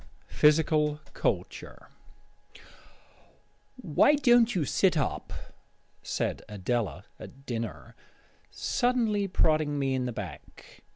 PHYSICAL CULTURE "Why don't you sit up?" said Adela at dinner, suddenly prodding me in the back.